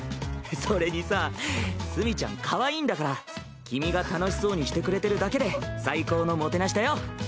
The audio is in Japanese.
それにさ墨ちゃんかわいいんだから君が楽しそうにしてくれてるだけで最高の饗しだよ。